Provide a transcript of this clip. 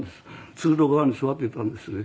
通路側に座っていたんですね。